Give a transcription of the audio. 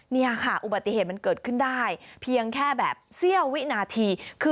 นี่ค่ะอุบัติเหตุมันเกิดขึ้นได้เพียงแค่แบบเสี้ยววินาที